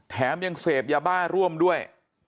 แถมยังเสพยาบ้าร่วมด้วย